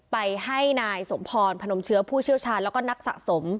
ไปให้นายสมพรพนมเชื้อผู้เชี่ยวชาญแล้วก็นักสะสม